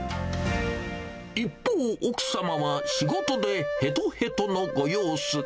一方、奥様は、仕事でへとへとのご様子。